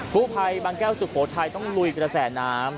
ผู้ภัยบางแก้วสุโขทัยต้องลุยกระแสน้ำ